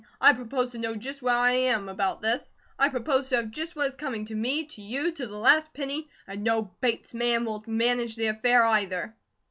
"I propose to know just where I am, about this. I propose to have just what is coming to me to you, to the last penny, and no Bates man will manage the affair, either."